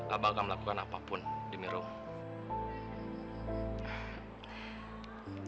abang akan melakukan apapun demi rum